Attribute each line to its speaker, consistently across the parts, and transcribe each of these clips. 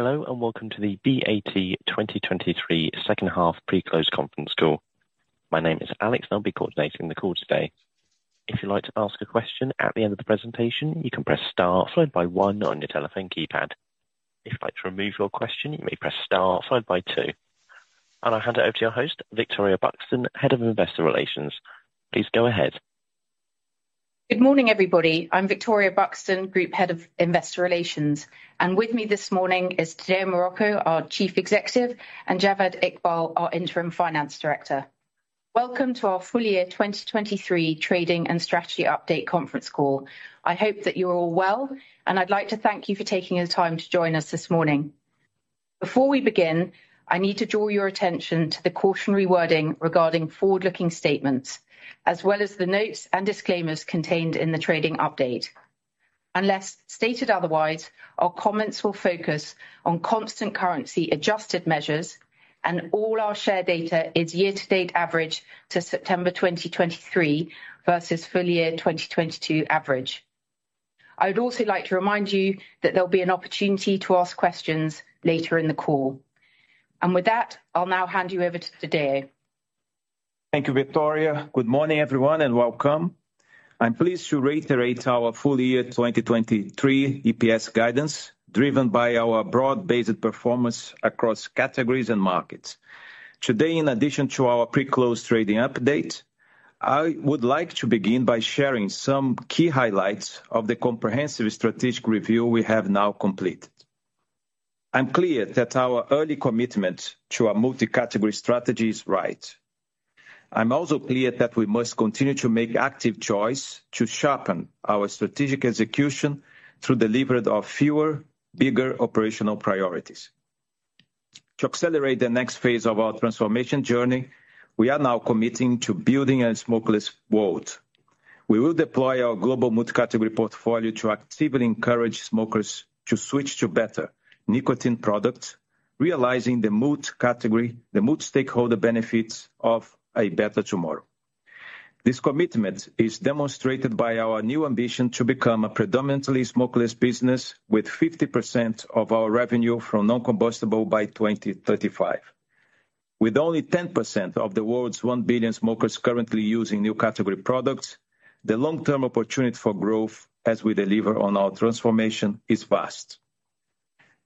Speaker 1: Hello, and welcome to the BAT 2023 Second Half Pre-close Conference Call. My name is Alex, and I'll be coordinating the call today. If you'd like to ask a question at the end of the presentation, you can press star followed by one on your telephone keypad. If you'd like to remove your question, you may press star followed by two. I'll hand it over to your host, Victoria Buxton, Head of Investor Relations. Please go ahead.
Speaker 2: Good morning, everybody. I'm Victoria Buxton, Group Head of Investor Relations, and with me this morning is Tadeu Marroco, our Chief Executive, and Javed Iqbal, our Interim Finance Director. Welcome to our Full-year 2023 Trading and Strategy Update Conference call. I hope that you're all well, and I'd like to thank you for taking the time to join us this morning. Before we begin, I need to draw your attention to the cautionary wording regarding forward-looking statements, as well as the notes and disclaimers contained in the trading update. Unless stated otherwise, our comments will focus on constant currency adjusted measures, and all our share data is year-to-date average to September 2023 versus full-year 2022 average. I would also like to remind you that there'll be an opportunity to ask questions later in the call. With that, I'll now hand you over to Tadeu.
Speaker 3: Thank you, Victoria. Good morning, everyone, and welcome. I'm pleased to reiterate our full-year 2023 EPS guidance, driven by our broad-based performance across categories and markets. Today, in addition to our pre-close trading update, I would like to begin by sharing some key highlights of the comprehensive strategic review we have now completed. I'm clear that our early commitment to our multi-category strategy is right. I'm also clear that we must continue to make active choice to sharpen our strategic execution through delivery of fewer, bigger operational priorities. To accelerate the next phase of our transformation journey, we are now committing to Building a Smokeless World. We will deploy our global multi-category portfolio to actively encourage smokers to switch to better nicotine products, realizing the multi-category... the multi-stakeholder benefits of a better tomorrow. This commitment is demonstrated by our new ambition to become a predominantly smokeless business with 50% of our revenue from non-combustible by 2035. With only 10% of the world's 1 billion smokers currently using new category products, the long-term opportunity for growth as we deliver on our transformation is vast.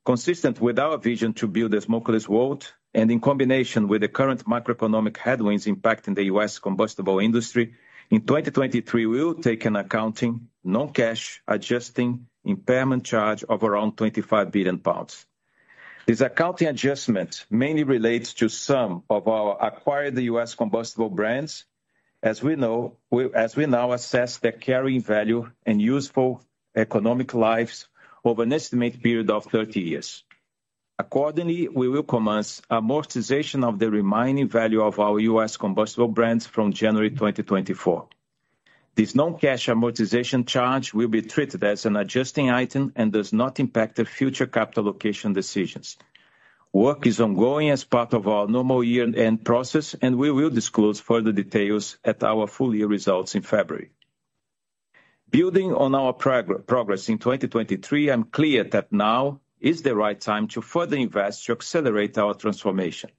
Speaker 3: Consistent with our vision to build a smokeless world, and in combination with the current macroeconomic headwinds impacting the U.S. combustible industry, in 2023, we will take an accounting, non-cash, adjusting impairment charge of around 25 billion pounds. This accounting adjustment mainly relates to some of our acquired U.S. combustible brands, as we now assess their carrying value and useful economic lives over an estimated period of 30 years. Accordingly, we will commence amortization of the remaining value of our U.S. combustible brands from January 2024. This non-cash amortization charge will be treated as an adjusting item and does not impact the future capital allocation decisions. Work is ongoing as part of our normal year-end process, and we will disclose further details at our full-year results in February. Building on our progress in 2023, I'm clear that now is the right time to further invest to accelerate our transformation.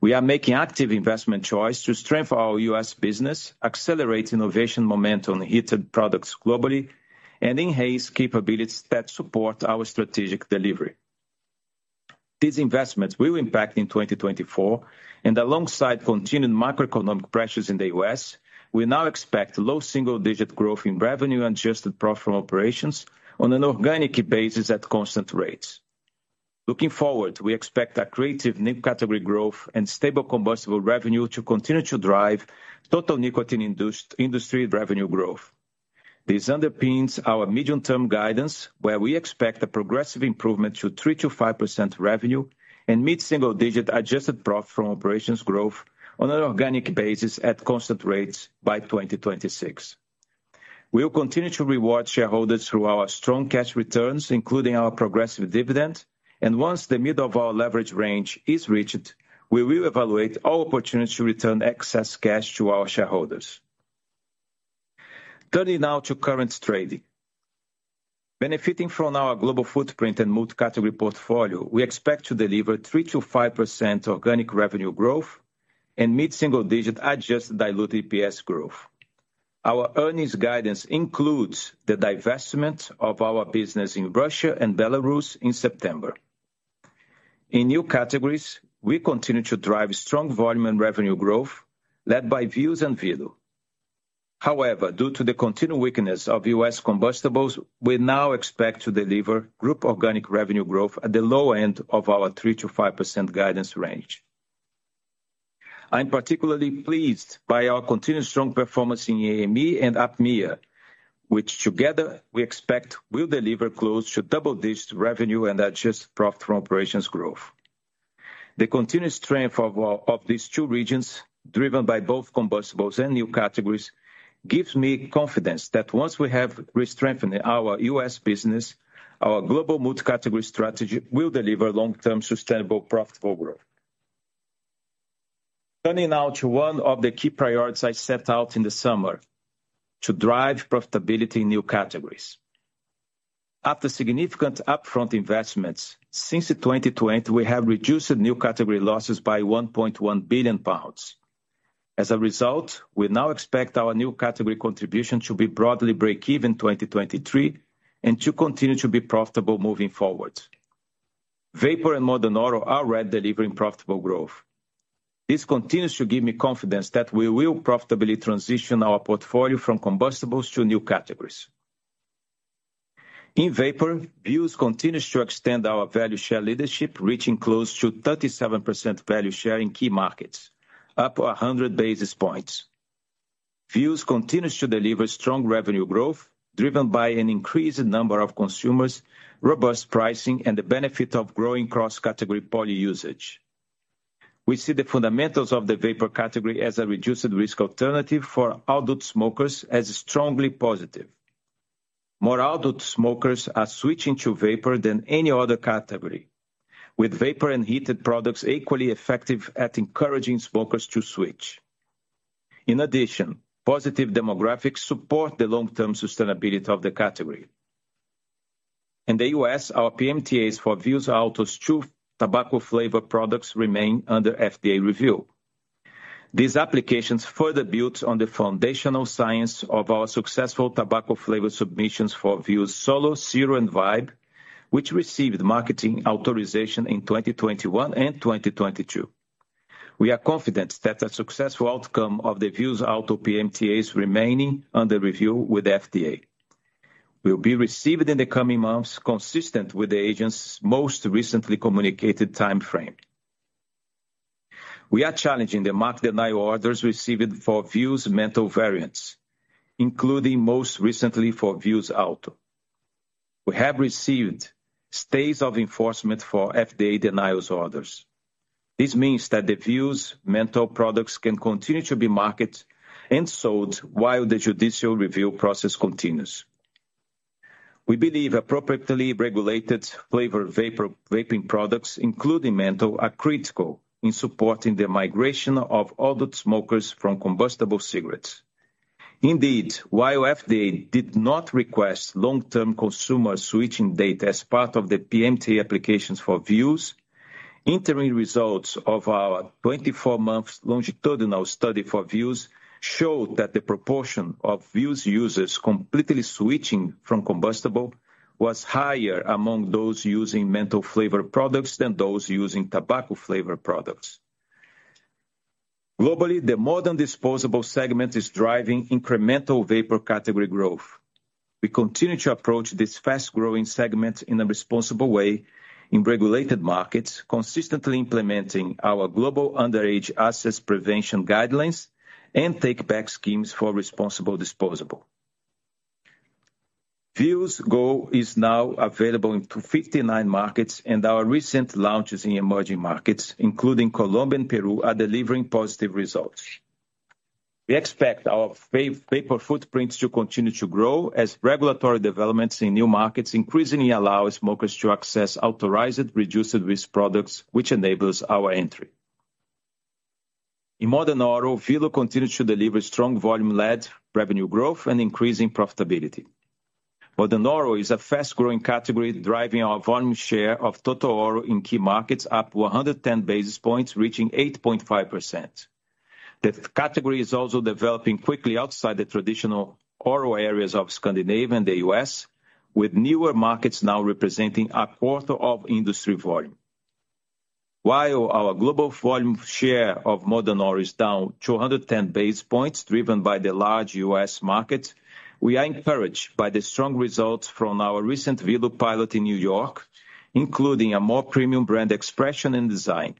Speaker 3: We are making active investment choice to strengthen our U.S. business, accelerate innovation momentum on heated products globally, and enhance capabilities that support our strategic delivery. These investments will impact in 2024, and alongside continued macroeconomic pressures in the U.S., we now expect low single-digit growth in revenue and adjusted profit from operations on an organic basis at constant rates. Looking forward, we expect our core new category growth and stable combustible revenue to continue to drive total nicotine industry revenue growth. This underpins our medium-term guidance, where we expect a progressive improvement to 3%-5% revenue and mid-single-digit adjusted profit from operations growth on an organic basis at constant rates by 2026. We'll continue to reward shareholders through our strong cash returns, including our progressive dividend, and once the middle of our leverage range is reached, we will evaluate all opportunities to return excess cash to our shareholders. Turning now to current trading. Benefiting from our global footprint and multi-category portfolio, we expect to deliver 3%-5% organic revenue growth and mid-single-digit adjusted diluted EPS growth. Our earnings guidance includes the divestment of our business in Russia and Belarus in September. In new categories, we continue to drive strong volume and revenue growth, led by Vuse and Velo. However, due to the continued weakness of U.S. combustibles, we now expect to deliver group organic revenue growth at the low end of our 3%-5% guidance range. I'm particularly pleased by our continued strong performance in AME and APMEA, which together we expect will deliver close to double-digit revenue and adjusted profit from operations growth. The continued strength of these two regions, driven by both combustibles and new categories, gives me confidence that once we have restrengthened our U.S. business, our global multi-category strategy will deliver long-term, sustainable, profitable growth.... Turning now to one of the key priorities I set out in the summer, to drive profitability in new categories. After significant upfront investments, since 2020, we have reduced the new category losses by 1.1 billion pounds. As a result, we now expect our new category contribution to be broadly break-even 2023, and to continue to be profitable moving forward. Vapor and modern oral are already delivering profitable growth. This continues to give me confidence that we will profitably transition our portfolio from combustibles to new categories. In vapor, Vuse continues to extend our value share leadership, reaching close to 37% value share in key markets, up 100 basis points. Vuse continues to deliver strong revenue growth, driven by an increased number of consumers, robust pricing, and the benefit of growing cross-category poly-usage. We see the fundamentals of the vapor category as a reduced risk alternative for adult smokers as strongly positive. More adult smokers are switching to vapor than any other category, with vapor and heated products equally effective at encouraging smokers to switch. In addition, positive demographics support the long-term sustainability of the category. In the U.S., our PMTAs for Vuse Alto's two tobacco flavor products remain under FDA review. These applications further build on the foundational science of our successful tobacco flavor submissions for Vuse Solo, Ciro, and Vibe, which received marketing authorization in 2021 and 2022. We are confident that the successful outcome of the Vuse Alto PMTAs remaining under review with FDA will be received in the coming months, consistent with the agency's most recently communicated time frame. We are challenging the marketing denial orders received for Vuse menthol variants, including most recently for Vuse Alto. We have received stays of enforcement for FDA denial orders. This means that the Vuse menthol products can continue to be marketed and sold while the judicial review process continues. We believe appropriately regulated flavored vapor, vaping products, including menthol, are critical in supporting the migration of adult smokers from combustible cigarettes. Indeed, while FDA did not request long-term consumer switching data as part of the PMTA applications for Vuse, interim results of our 24-month longitudinal study for Vuse showed that the proportion of Vuse users completely switching from combustible was higher among those using menthol flavored products than those using tobacco flavored products. Globally, the modern disposables segment is driving incremental vapor category growth. We continue to approach this fast-growing segment in a responsible way in regulated markets, consistently implementing our global underage access prevention guidelines and take back schemes for responsible disposable. Vuse Go is now available in 59 markets, and our recent launches in emerging markets, including Colombia and Peru, are delivering positive results. We expect our vapor footprints to continue to grow as regulatory developments in new markets increasingly allow smokers to access authorized, reduced-risk products, which enables our entry. In modern oral, Velo continues to deliver strong volume-led revenue growth and increasing profitability. Modern oral is a fast-growing category, driving our volume share of total oral in key markets up 110 basis points, reaching 8.5%. The category is also developing quickly outside the traditional oral areas of Scandinavia and the U.S., with newer markets now representing a quarter of industry volume. While our global volume share of modern oral is down 210 basis points, driven by the large U.S. market, we are encouraged by the strong results from our recent Velo pilot in New York, including a more premium brand expression and design.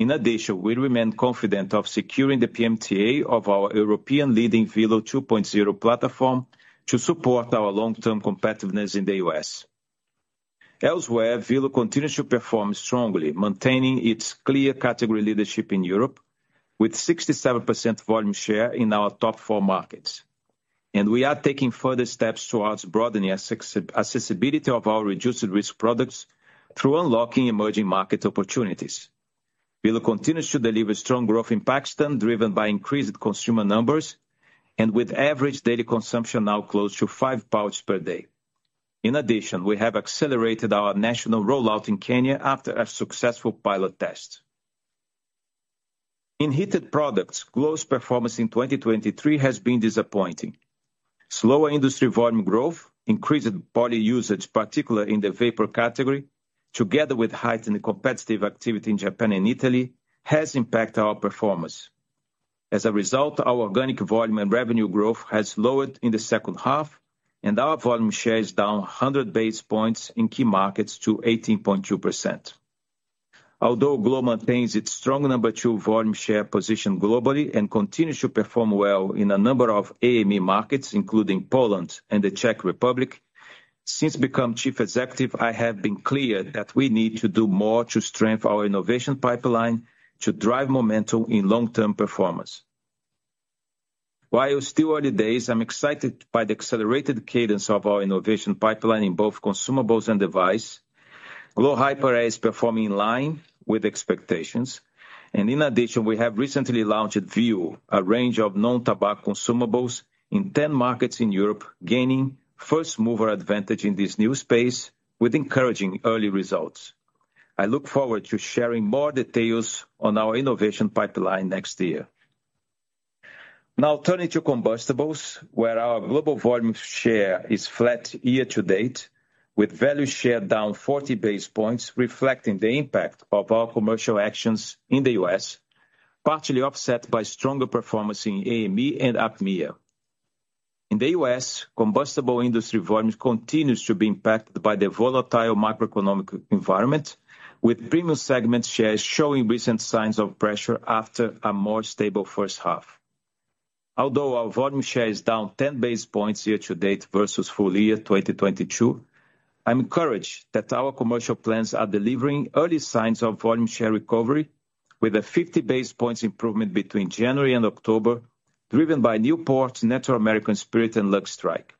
Speaker 3: In addition, we remain confident of securing the PMTA of our European leading Velo 2.0 platform to support our long-term competitiveness in the U.S. Elsewhere, Velo continues to perform strongly, maintaining its clear category leadership in Europe, with 67% volume share in our top four markets. We are taking further steps towards broadening accessibility of our reduced risk products through unlocking emerging market opportunities. Velo continues to deliver strong growth in Pakistan, driven by increased consumer numbers, and with average daily consumption now close to five pouch per day. In addition, we have accelerated our national rollout in Kenya after a successful pilot test. In heated products, Glo's performance in 2023 has been disappointing. Slower industry volume growth, increased poly-usage, particularly in the vapor category, together with heightened competitive activity in Japan and Italy, has impacted our performance. As a result, our organic volume and revenue growth has lowered in the second-half, and our volume share is down 100 basis points in key markets to 18.2%. Although Glo maintains its strong number two volume share position globally and continues to perform well in a number of AME markets, including Poland and the Czech Republic, since become chief executive, I have been clear that we need to do more to strengthen our innovation pipeline to drive momentum in long-term performance... While it's still early days, I'm excited by the accelerated cadence of our innovation pipeline in both consumables and device. Glo Hyper is performing in line with expectations, and in addition, we have recently launched Veo, a range of non-tobacco consumables in 10 markets in Europe, gaining first mover advantage in this new space with encouraging early results. I look forward to sharing more details on our innovation pipeline next year. Now turning to combustibles, where our global volume share is flat year to date, with value share down 40 basis points, reflecting the impact of our commercial actions in the U.S., partially offset by stronger performance in AME and APMEA. In the U.S., combustible industry volume continues to be impacted by the volatile macroeconomic environment, with premium segment shares showing recent signs of pressure after a more stable first half. Although our volume share is down 10 basis points year to date versus full-year 2022, I'm encouraged that our commercial plans are delivering early signs of volume share recovery with a 50 basis points improvement between January and October, driven by Newport, Natural American Spirit and Lucky Strike.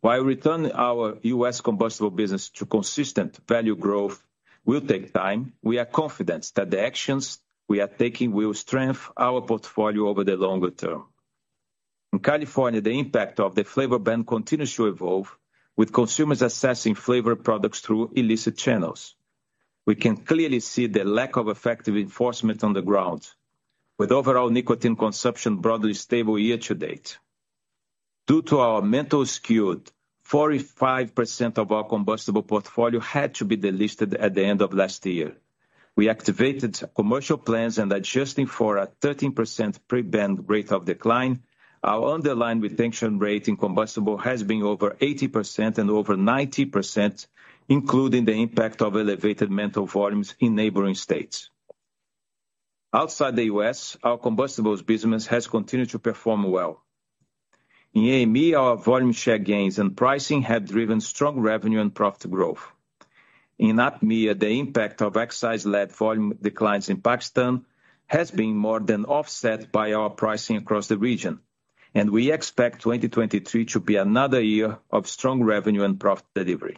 Speaker 3: While returning our U.S. combustible business to consistent value growth will take time, we are confident that the actions we are taking will strengthen our portfolio over the longer term. In California, the impact of the flavor ban continues to evolve, with consumers accessing flavor products through illicit channels. We can clearly see the lack of effective enforcement on the ground, with overall nicotine consumption broadly stable year to date. Due to our menthol skew, 45% of our combustible portfolio had to be delisted at the end of last year. We activated commercial plans and adjusting for a 13% pre-ban rate of decline, our underlying retention rate in combustible has been over 80% and over 90%, including the impact of elevated menthol volumes in neighboring states. Outside the U.S., our combustibles business has continued to perform well. In AME, our volume share gains and pricing have driven strong revenue and profit growth. In APMEA, the impact of excise-led volume declines in Pakistan has been more than offset by our pricing across the region, and we expect 2023 to be another year of strong revenue and profit delivery.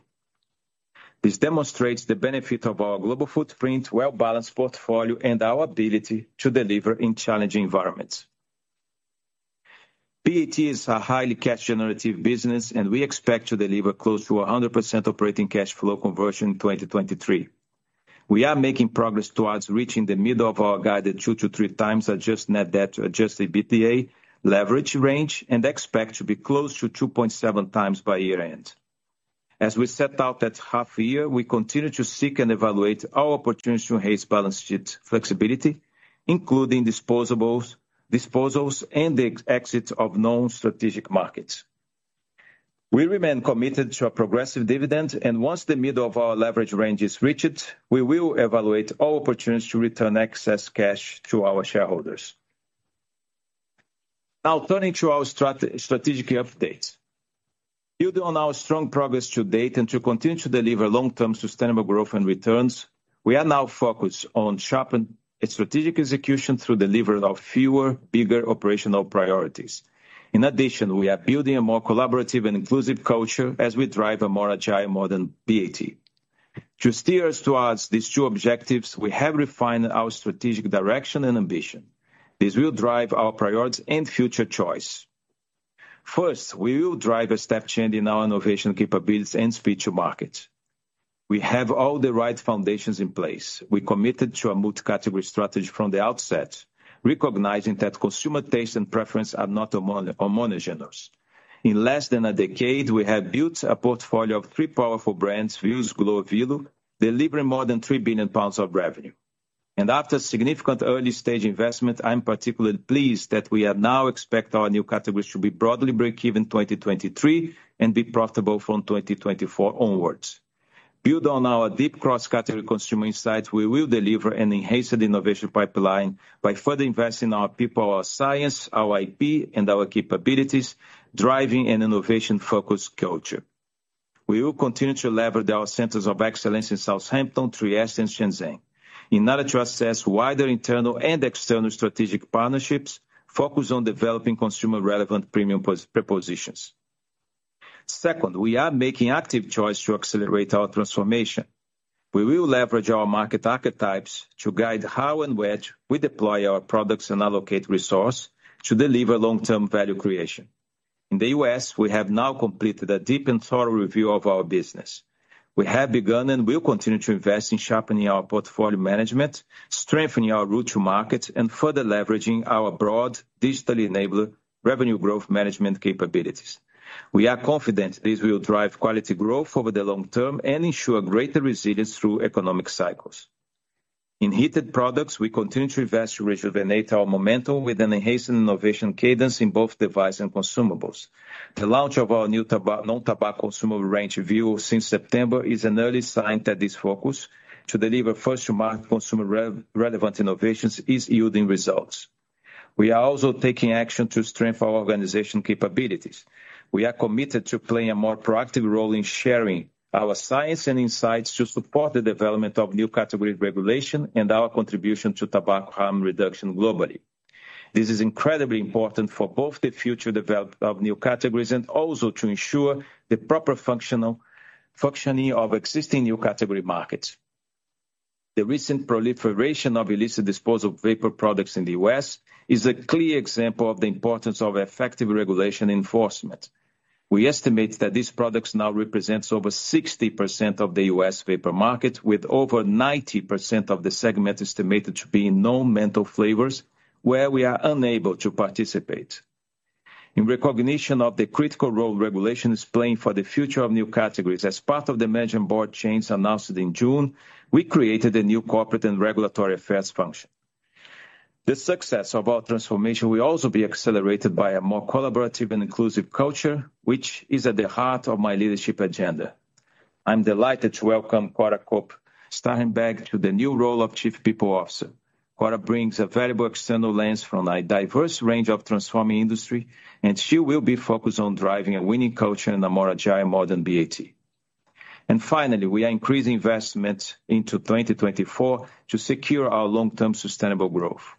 Speaker 3: This demonstrates the benefit of our global footprint, well-balanced portfolio, and our ability to deliver in challenging environments. BAT is a highly cash generative business, and we expect to deliver close to 100% operating cash flow conversion in 2023. We are making progress towards reaching the middle of our guided 2-3 times adjusted net debt to adjusted EBITDA leverage range and expect to be close to 2.7 times by year-end. As we set out at half a year, we continue to seek and evaluate our opportunities to enhance balance sheet flexibility, including disposals, disposals and the exit of non-strategic markets. We remain committed to a progressive dividend, and once the middle of our leverage range is reached, we will evaluate all opportunities to return excess cash to our shareholders. Now, turning to our strategic update. Building on our strong progress to date and to continue to deliver long-term sustainable growth and returns, we are now focused on sharpened strategic execution through delivery of fewer, bigger operational priorities. In addition, we are building a more collaborative and inclusive culture as we drive a more agile, modern BAT. To steer us towards these two objectives, we have refined our strategic direction and ambition. This will drive our priorities and future choice. First, we will drive a step change in our innovation capabilities and speed to market. We have all the right foundations in place. We're committed to a multi-category strategy from the outset, recognizing that consumer taste and preference are not homogeneous. In less than a decade, we have built a portfolio of three powerful brands, Vuse, Glo, Velo, delivering more than 3 billion pounds of revenue. After significant early stage investment, I'm particularly pleased that we now expect our new categories to be broadly break even in 2023 and be profitable from 2024 onwards. Building on our deep cross-category consumer insights, we will deliver an enhanced innovation pipeline by further investing in our people, our science, our IP, and our capabilities, driving an innovation-focused culture. We will continue to leverage our centers of excellence in Southampton, Trieste, and Shenzhen, in order to assess wider internal and external strategic partnerships focused on developing consumer-relevant premium propositions. Second, we are making an active choice to accelerate our transformation. We will leverage our market archetypes to guide how and where we deploy our products and allocate resources to deliver long-term value creation. In the U.S., we have now completed a deep and thorough review of our business. We have begun and will continue to invest in sharpening our portfolio management, strengthening our route to market, and further leveraging our broad, digitally enabled revenue growth management capabilities. We are confident this will drive quality growth over the long term and ensure greater resilience through economic cycles. In heated products, we continue to invest to rejuvenate our momentum with an enhanced innovation cadence in both device and consumables. The launch of our new tobacco, non-tobacco consumable range Veo since September is an early sign that this focus to deliver first to market consumer relevant innovations is yielding results. We are also taking action to strengthen our organizational capabilities. We are committed to playing a more proactive role in sharing our science and insights to support the development of new category regulation and our contribution to tobacco harm reduction globally. This is incredibly important for both the future development of new categories and also to ensure the proper functioning of existing new category markets. The recent proliferation of illicit disposable vapor products in the U.S. is a clear example of the importance of effective regulation enforcement. We estimate that these products now represents over 60% of the U.S. vapor market, with over 90% of the segment estimated to be in non-menthol flavors, where we are unable to participate. In recognition of the critical role regulation is playing for the future of new categories, as part of the management board changes announced in June, we created a new corporate and regulatory affairs function. The success of our transformation will also be accelerated by a more collaborative and inclusive culture, which is at the heart of my leadership agenda. I'm delighted to welcome Cora Koppe-Stahrenberg to the new role of Chief People Officer. Cora brings a valuable external lens from a diverse range of transforming industry, and she will be focused on driving a winning culture in a more agile, modern BAT. And finally, we are increasing investments into 2024 to secure our long-term sustainable growth.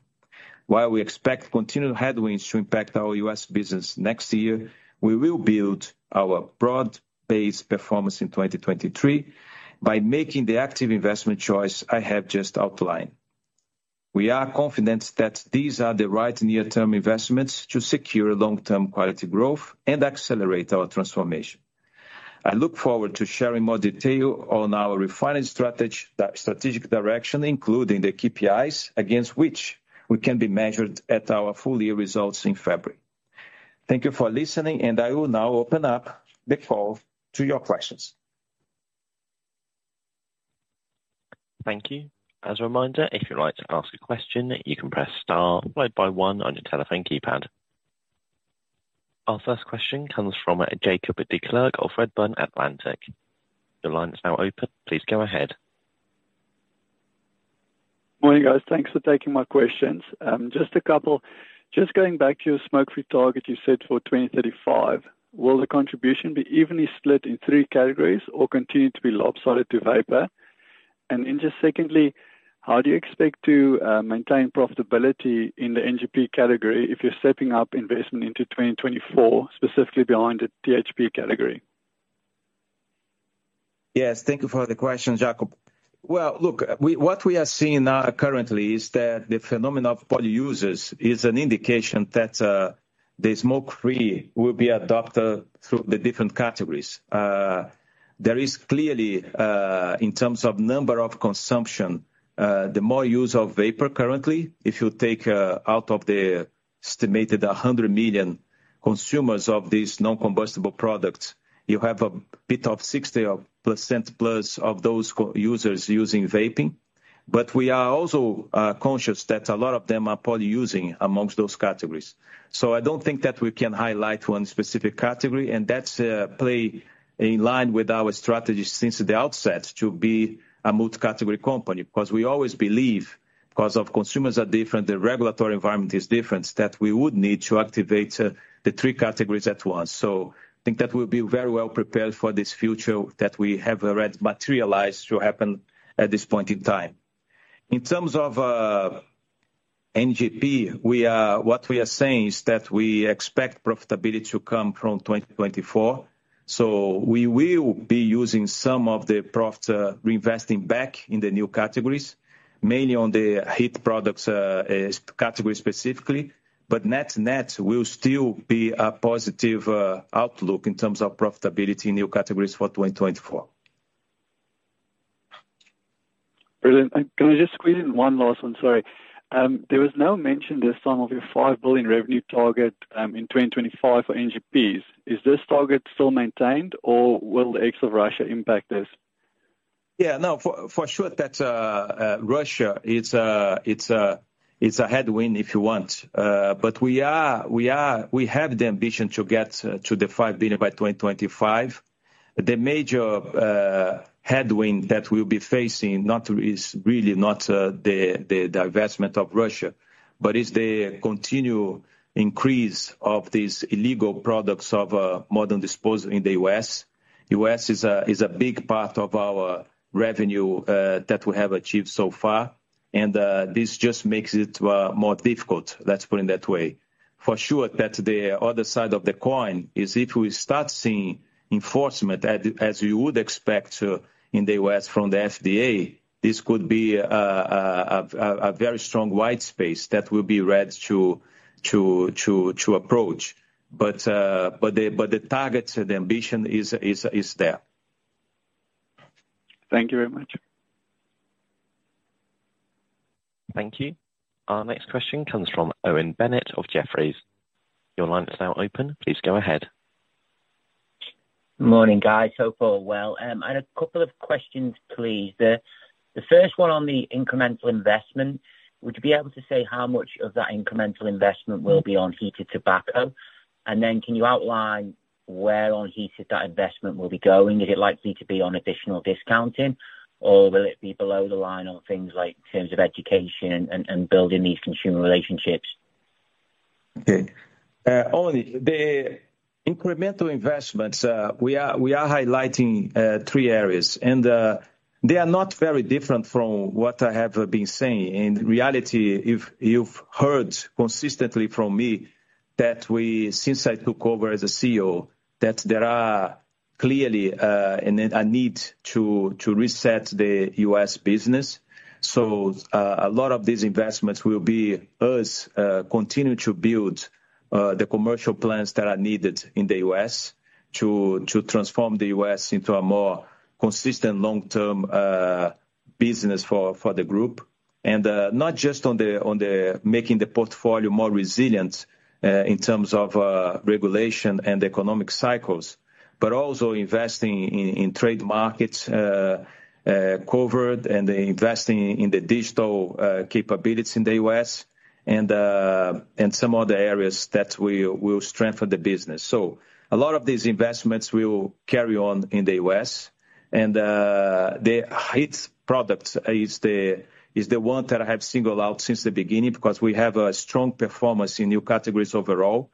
Speaker 3: While we expect continued headwinds to impact our U.S. business next year, we will build our broad-based performance in 2023 by making the active investment choice I have just outlined. We are confident that these are the right near-term investments to secure long-term quality growth and accelerate our transformation. I look forward to sharing more detail on our refining strategic direction, including the KPIs, against which we can be measured at our full-year results in February. Thank you for listening, and I will now open up the call to your questions.
Speaker 1: Thank you. As a reminder, if you'd like to ask a question, you can press star followed by one on your telephone keypad. Our first question comes from Jacob de Klerk of Redburn Atlantic. Your line is now open. Please go ahead. Morning, guys. Thanks for taking my questions. Just a couple. Just going back to your smoke-free target you set for 2035, will the contribution be evenly split in three categories or continue to be lopsided to vapor? And then just secondly, how do you expect to maintain profitability in the NGP category if you're stepping up investment into 2024, specifically behind the THP category?
Speaker 3: Yes, thank you for the question, Jacob. Well, look, we... What we are seeing now currently is that the phenomenon of poly users is an indication that the smoke-free will be adopted through the different categories. There is clearly in terms of number of consumption the more use of vapor currently, if you take out of the estimated 100 million consumers of these non-combustible products, you have a bit of 60% plus of those co-users using vaping. But we are also conscious that a lot of them are poly using amongst those categories. So I don't think that we can highlight one specific category, and that's plays in line with our strategy since the outset, to be a multi-category company. Because we always believe, because of consumers are different, the regulatory environment is different, that we would need to activate, the three categories at once. So I think that we'll be very well prepared for this future that we have already materialized to happen at this point in time. In terms of, NGP, we are- what we are saying is that we expect profitability to come from 2024, so we will be using some of the profits, reinvesting back in the new categories, mainly on the heat products, category specifically, but net-net will still be a positive, outlook in terms of profitability in new categories for 2024. Brilliant. Can I just squeeze in one last one? Sorry. There was no mention this time of your 5 billion revenue target in 2025 for NGPs. Is this target still maintained, or will the exit of Russia impact this? Yeah, no, for sure, that's Russia, it's a headwind if you want. But we have the ambition to get to 5 billion by 2025. The major headwind that we'll be facing is really not the divestment of Russia, but is the continued increase of these illegal products of modern disposables in the U.S.. U.S. is a big part of our revenue that we have achieved so far, and this just makes it more difficult. Let's put it that way. For sure, that's the other side of the coin, is if we start seeing enforcement as you would expect in the U.S. from the FDA, this could be a very strong white space that will be ready to approach. But the targets and the ambition is there. Thank you very much.
Speaker 1: Thank you. Our next question comes from Owen Bennett from Jefferies. Your line is now open. Please go ahead.
Speaker 4: Morning, guys. Hope all well. I had a couple of questions, please. The first one on the incremental investment, would you be able to say how much of that incremental investment will be on heated tobacco? And then can you outline where on heated that investment will be going? Is it likely to be on additional discounting, or will it be below the line on things like terms of education and building these consumer relationships?...
Speaker 3: Okay. Only the incremental investments, we are, we are highlighting three areas, and they are not very different from what I have been saying. In reality, if you've heard consistently from me that since I took over as a CEO, that there are clearly a need to reset the U.S business. So, a lot of these investments will be us continuing to build the commercial plans that are needed in the U.S. to transform the U.S. into a more consistent long-term business for the group. Not just on the making the portfolio more resilient in terms of regulation and economic cycles, but also investing in trade markets covered, and investing in the digital capabilities in the U.S., and some other areas that will strengthen the business. So a lot of these investments will carry on in the U.S., and the HTS products is the one that I have singled out since the beginning, because we have a strong performance in new categories overall,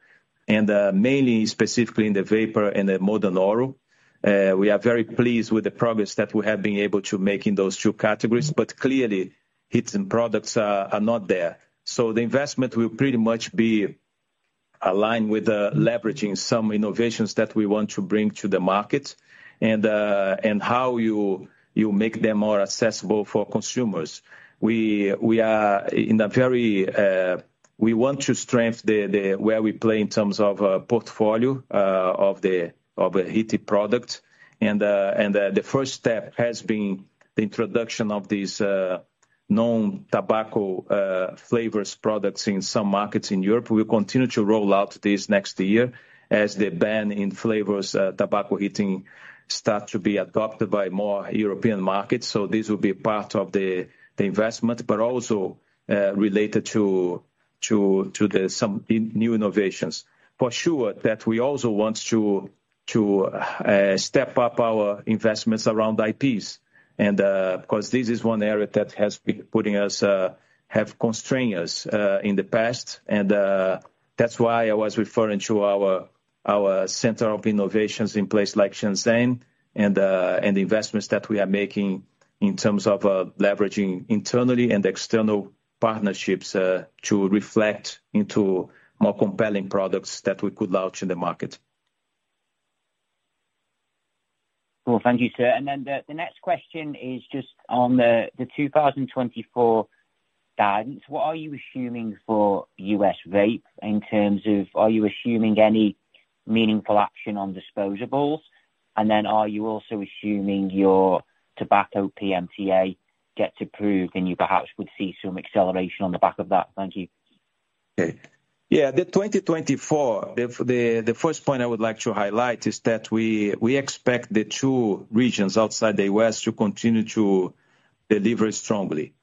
Speaker 3: and mainly specifically in the vapor and the modern oral. We are very pleased with the progress that we have been able to make in those two categories, but clearly, HTS products are not there. So the investment will pretty much be aligned with leveraging some innovations that we want to bring to the market, and how you make them more accessible for consumers. We are in a very. We want to strengthen where we play in terms of portfolio of the heated product. And the first step has been the introduction of these non-tobacco flavors products in some markets in Europe. We will continue to roll out this next year as the ban on flavors tobacco heating start to be adopted by more European markets, so this will be part of the investment, but also related to some new innovations. For sure, that we also want to, to, step up our investments around IPs, and, 'cause this is one area that has been putting us, have constrained us, in the past. And, that's why I was referring to our, our center of innovations in places like Shenzhen, and, and the investments that we are making in terms of, leveraging internally and external partnerships, to reflect into more compelling products that we could launch in the market.
Speaker 4: Well, thank you, sir. And then the next question is just on the 2024 guidance. What are you assuming for U.S. vape, in terms of are you assuming any meaningful action on disposables? And then are you also assuming your tobacco PMTA get approved, and you perhaps would see some acceleration on the back of that? Thank you.
Speaker 3: Okay. Yeah, the 2024, the first point I would like to highlight is that we, we expect the two regions outside the U.S. to continue to deliver strongly.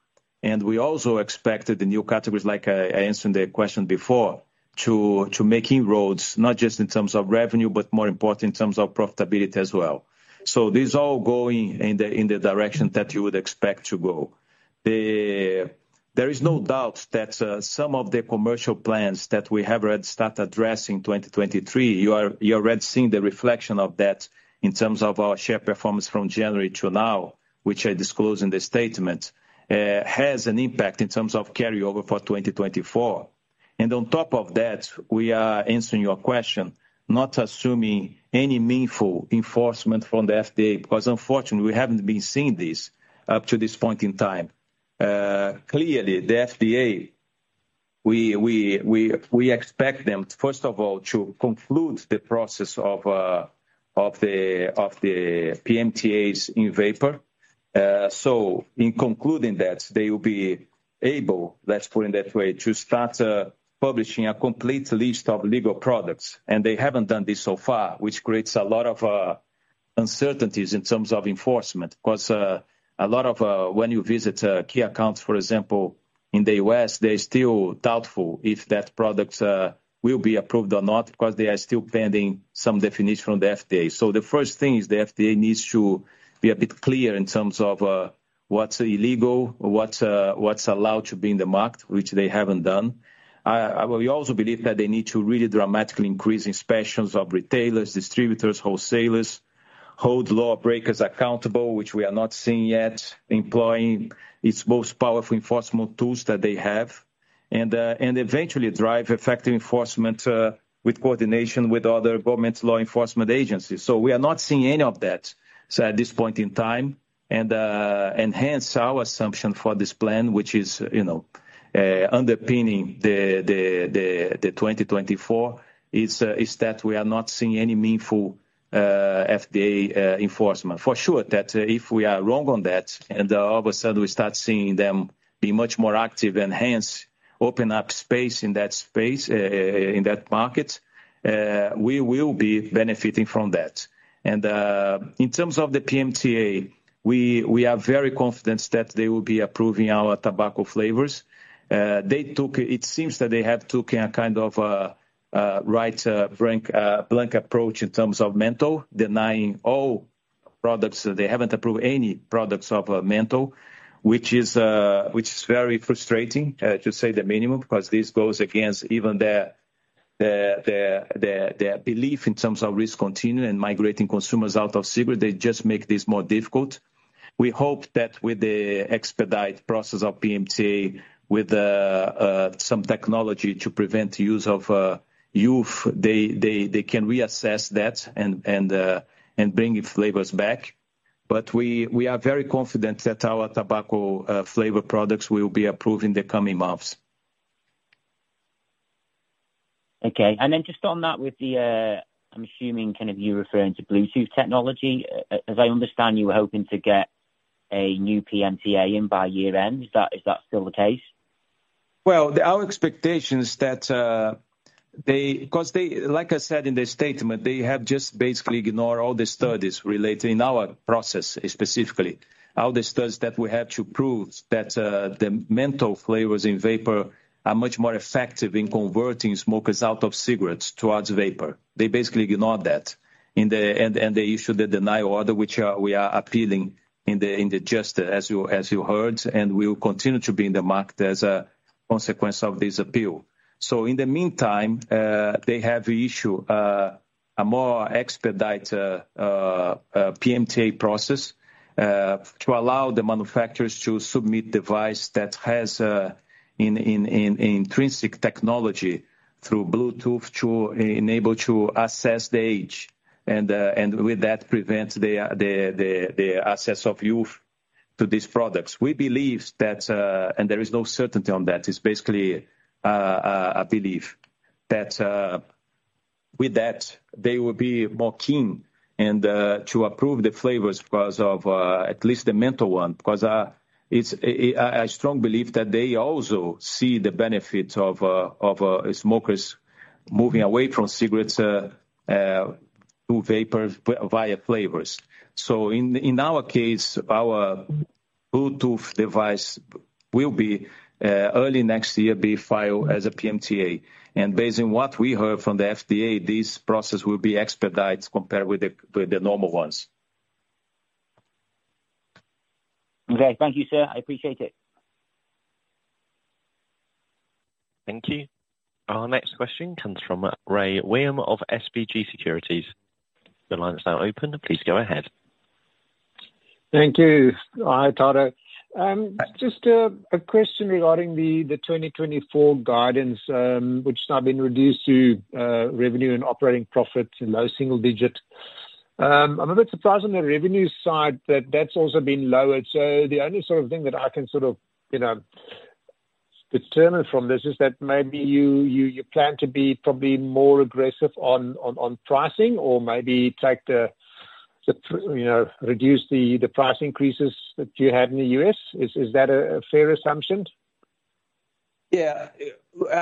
Speaker 3: And we also expected the new categories, like I, I answered the question before, to, to making inroads, not just in terms of revenue, but more important, in terms of profitability as well. So this is all going in the, in the direction that you would expect to go. There is no doubt that some of the commercial plans that we have already start addressing 2023, you are, you are already seeing the reflection of that in terms of our share performance from January to now, which I disclose in the statement, has an impact in terms of carryover for 2024. And on top of that, we are answering your question, not assuming any meaningful enforcement from the FDA, because unfortunately, we haven't been seeing this up to this point in time. Clearly, the FDA, we expect them, first of all, to conclude the process of the PMTAs in vapor. So in concluding that, they will be able, let's put it that way, to start publishing a complete list of legal products, and they haven't done this so far, which creates a lot of uncertainties in terms of enforcement. 'Cause a lot of when you visit key accounts, for example, in the U.S., they're still doubtful if that product will be approved or not, because they are still pending some definition from the FDA. So the first thing is, the FDA needs to be a bit clear in terms of what's illegal, what's allowed to be in the market, which they haven't done. We also believe that they need to really dramatically increase inspections of retailers, distributors, wholesalers, hold law breakers accountable, which we are not seeing yet, employing its most powerful enforcement tools that they have, and eventually drive effective enforcement with coordination with other government law enforcement agencies. So we are not seeing any of that, so at this point in time, enhance our assumption for this plan, which is, you know, underpinning the 2024, is that we are not seeing any meaningful FDA enforcement. For sure, that if we are wrong on that, and all of a sudden we start seeing them be much more active and hence open up space in that space, in that market, we will be benefiting from that. And, in terms of the PMTA, we are very confident that they will be approving our tobacco flavors. They took... It seems that they have taken a kind of, right, blank, blanket approach in terms of menthol, denying all-... products, they haven't approved any products of menthol, which is very frustrating, to say the minimum, because this goes against even their belief in terms of risk continuum and migrating consumers out of cigarette, they just make this more difficult. We hope that with the expedited process of PMTA, with some technology to prevent youth use, they can reassess that and bring the flavors back. But we are very confident that our tobacco flavor products will be approved in the coming months.
Speaker 4: Okay. And then just on that with the, I'm assuming kind of you're referring to Bluetooth technology. As I understand, you were hoping to get a new PMTA in by year end. Is that, is that still the case?
Speaker 3: Well, our expectation is that, 'cause like I said in the statement, they have just basically ignored all the studies relating our process, specifically, all the studies that we have to prove that, the menthol flavors in vapor are much more effective in converting smokers out of cigarettes towards vapor. They basically ignored that. And they issued the deny order, which we are appealing in the justice, as you heard, and we will continue to be in the market as a consequence of this appeal. So in the meantime, they have issued a more expedited PMTA process to allow the manufacturers to submit device that has intrinsic technology through Bluetooth to enable to assess the age and with that, prevents the access of youth to these products. We believe that, and there is no certainty on that, it's basically a belief, that with that, they will be more keen and to approve the flavors because of at least the menthol one. Because it's a strong belief that they also see the benefits of smokers moving away from cigarettes to vapers via flavors. So in our case, our Bluetooth device will be early next year, be filed as a PMTA. Based on what we heard from the FDA, this process will be expedited compared with the normal ones.
Speaker 4: Okay. Thank you, sir. I appreciate it.
Speaker 1: Thank you. Our next question comes from Rey Wium of SBG Securities. Your line is now open, please go ahead.
Speaker 5: Thank you. Hi, Tadeu. Just a question regarding the 2024 guidance, which has now been reduced to revenue and operating profits in low double single digit. I'm a bit surprised on the revenue side that that's also been lowered. So the only sort of thing that I can sort of, you know, determine from this is that maybe you plan to be probably more aggressive on pricing, or maybe, you know, reduce the price increases that you had in the U.S. Is that a fair assumption?
Speaker 3: Yeah.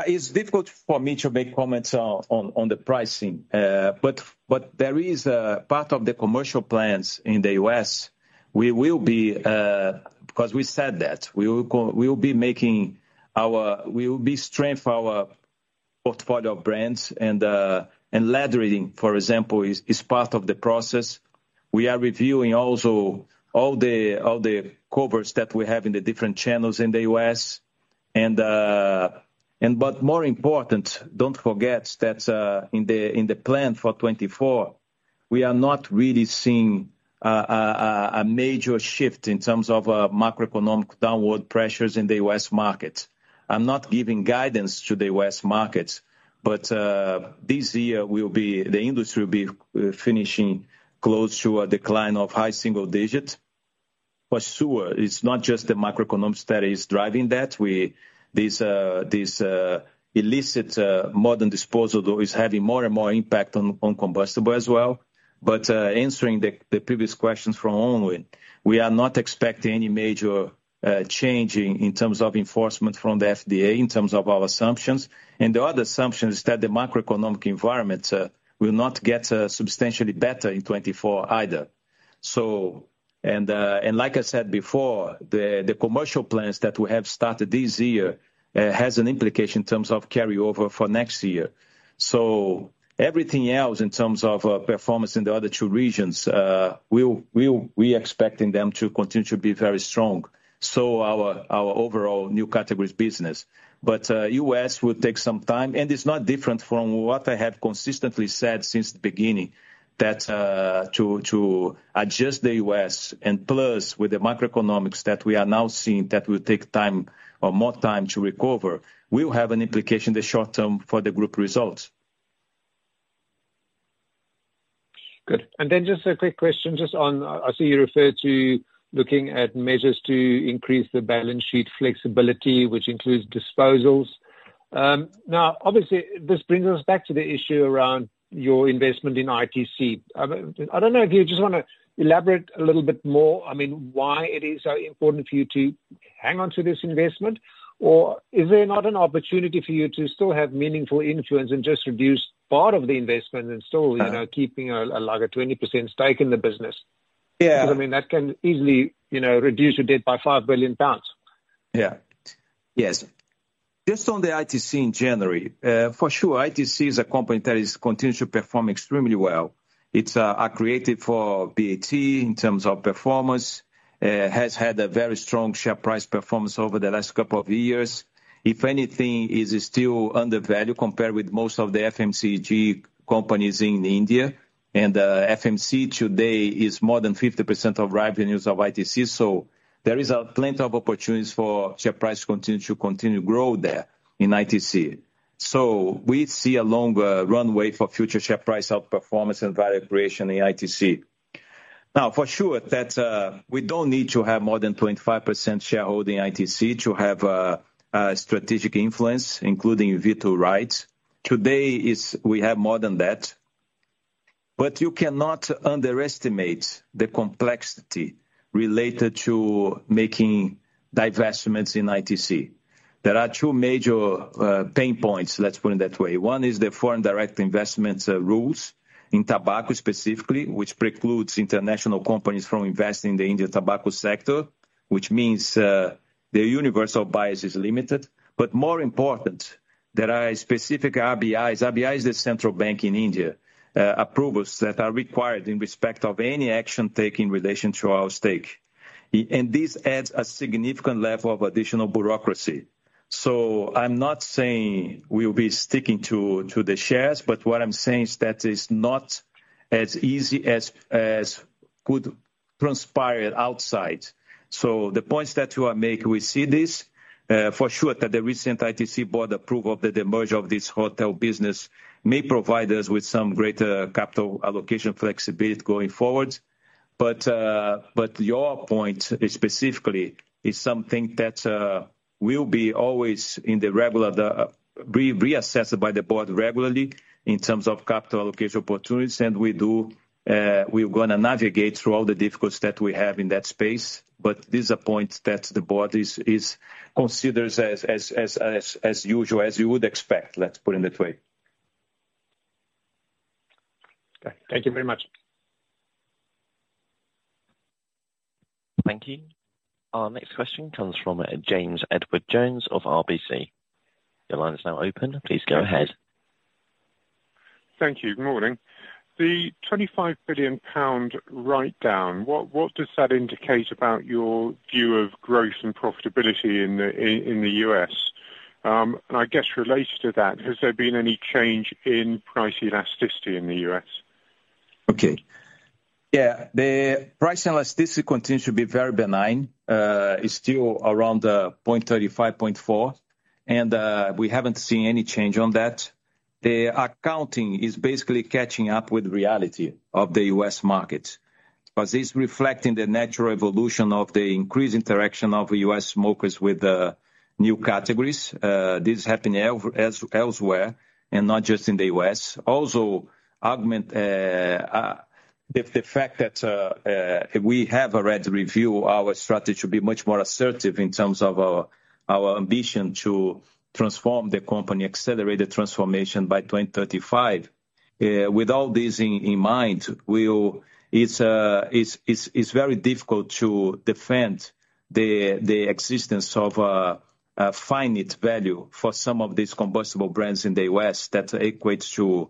Speaker 3: It's difficult for me to make comments on the pricing. But there is a part of the commercial plans in the U.S., we will be 'cause we said that. We will be making our—we will be strengthen our portfolio of brands and, and laddering, for example, is part of the process. We are reviewing also all the coverage that we have in the different channels in the U.S. And... but more important, don't forget that, in the plan for 2024, we are not really seeing a major shift in terms of macroeconomic downward pressures in the U.S. market. I'm not giving guidance to the U.S. market, but this year will be—the industry will be finishing close to a decline of high single digits. For sure, it's not just the microeconomic that is driving that. This illicit modern disposables, though, is having more and more impact on combustible as well. But answering the previous questions from Owen, we are not expecting any major change in terms of enforcement from the FDA, in terms of our assumptions. And the other assumption is that the macroeconomic environment will not get substantially better in 2024 either. So and like I said before, the commercial plans that we have started this year has an implication in terms of carryover for next year. So everything else, in terms of performance in the other two regions, we're expecting them to continue to be very strong. So our overall new categories business. U.S. will take some time, and it's not different from what I have consistently said since the beginning, that to adjust the U.S. and plus with the macroeconomics that we are now seeing, that will take time or more time to recover, will have an implication in the short term for the group results.
Speaker 5: Good. And then just a quick question just on... I, I see you referred to looking at measures to increase the balance sheet flexibility, which includes disposals. Now, obviously, this brings us back to the issue around your investment in ITC. I don't, I don't know if you just wanna elaborate a little bit more, I mean, why it is so important for you to hang on to this investment? Or is there not an opportunity for you to still have meaningful influence and just reduce part of the investment and still-
Speaker 3: Uh.
Speaker 5: you know, keeping a, like a 20% stake in the business?
Speaker 3: Yeah.
Speaker 5: 'Cause I mean, that can easily, you know, reduce your debt by 5 billion pounds.
Speaker 3: Yeah. Yes. Just on the ITC in January, for sure, ITC is a company that is continuing to perform extremely well. It's a credit to BAT in terms of performance, has had a very strong share price performance over the last couple of years. If anything, it is still undervalued compared with most of the FMCG companies in India, and FMCG today is more than 50% of revenues of ITC, so there is plenty of opportunities for share price to continue to grow there in ITC. So we see a longer runway for future share price outperformance and value creation in ITC. Now, for sure, we don't need to have more than 25% shareholding ITC to have a strategic influence, including veto rights. Today, we have more than that. But you cannot underestimate the complexity related to making divestments in ITC. There are two major pain points, let's put it that way. One is the foreign direct investment rules in tobacco specifically, which precludes international companies from investing in the India tobacco sector, which means the universe of buyers is limited. But more important, there are specific RBI approvals, RBI is the central bank in India, that are required in respect of any action taken in relation to our stake. And this adds a significant level of additional bureaucracy. So I'm not saying we'll be sticking to the shares, but what I'm saying is that it's not as easy as could transpire outside. So the points that you are making, we see this. For sure, that the recent ITC board approval of the demerger of this hotel business may provide us with some greater capital allocation flexibility going forward. But your point, specifically, is something that will always be regularly reassessed by the board regularly in terms of capital allocation opportunities. And we do, we're gonna navigate through all the difficulties that we have in that space, but this is a point that the board considers as usual, as you would expect. Let's put it that way.
Speaker 6: Okay. Thank you very much.
Speaker 1: Thank you. Our next question comes from James Edwardes Jones of RBC. Your line is now open, please go ahead.
Speaker 7: Thank you. Good morning. The 25 billion pound write-down, what does that indicate about your view of growth and profitability in the U.S.? I guess related to that, has there been any change in price elasticity in the U.S.?
Speaker 3: Okay. Yeah, the price elasticity continues to be very benign. It's still around 0.35, 0.4, and we haven't seen any change on that. The accounting is basically catching up with reality of the U.S. market. But it's reflecting the natural evolution of the increased interaction of U.S. smokers with new categories. This is happening elsewhere, and not just in the U.S. Also, against the fact that we have already reviewed our strategy to be much more assertive in terms of our ambition to transform the company, accelerate the transformation by 2035. With all this in mind, we'll... It's very difficult to defend the existence of a finite value for some of these combustible brands in the U.S. that equates to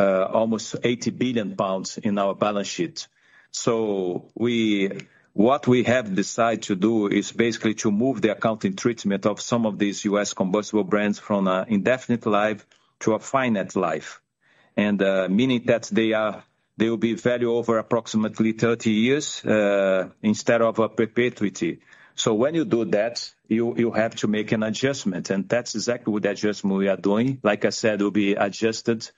Speaker 3: almost 80 billion pounds in our balance sheet. So what we have decided to do is basically to move the accounting treatment of some of these U.S. combustible brands from an indefinite life to a finite life. And meaning that they will be valued over approximately 30 years instead of a perpetuity. So when you do that, you have to make an adjustment, and that's exactly what adjustment we are doing. Like I said, it will be adjusted,